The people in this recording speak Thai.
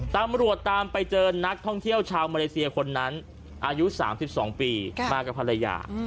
ตามไปเจอนักท่องเที่ยวชาวมาเลเซียคนนั้นอายุ๓๒ปีมากับภรรยา